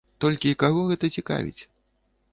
Толькі каго гэта цікавіць?